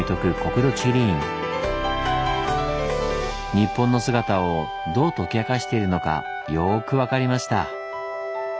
「日本の姿」をどう解き明かしているのかよく分かりました！